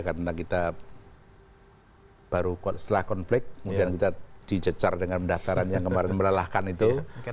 karena kita baru setelah konflik kemudian kita dicecar dengan mendaftaran yang kemarin melelahkan itu